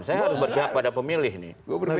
saya harus berpihak pada pemilih nih